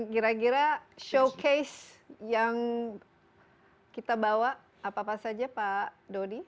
kira kira showcase yang kita bawa apa apa saja pak dodi